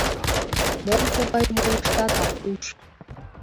— Мом тугайым ойлыштат, Аркуш?